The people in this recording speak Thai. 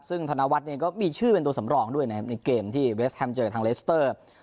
ซึ่งธนวัฒน์เองก็มีชื่อเป็นตัวสำรองด้วยนะครับในเกมที่เวสแฮมเจอกับทางเลสเตอร์